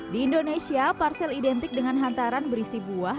di indonesia parsel identik dengan hantaran berisi buah